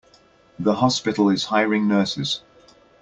The hospital is hiring nurses.